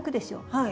はい。